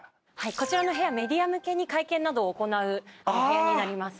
こちらの部屋メディア向けに会見などを行うお部屋になります。